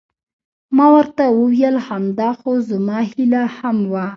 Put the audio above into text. ما ورته وویل: همدا خو زما هیله هم وه.